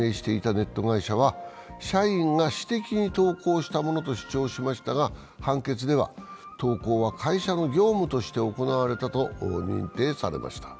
ネット会社は社員が私的に投稿したものと主張しましたが、判決では投稿は会社の業務として行われたと認定されました。